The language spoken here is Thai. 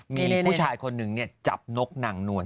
มีผู้ชายคนนึงเนี่ยจับนกนางนวล